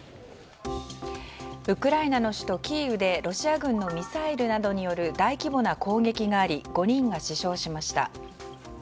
ウクライナの首都キーウでロシア軍のミサイルなどによる大規模な攻撃があり５人が死傷しました。